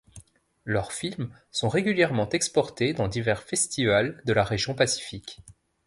Leurs films sont régulièrement exportés dans divers festivals de la région pacifique.